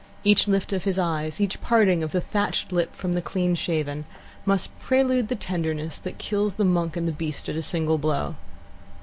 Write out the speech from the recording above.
Each lift of his eyes, each parting of the thatched lip from the clean shaven, must prelude the tenderness that kills the Monk and the Beast at a single blow.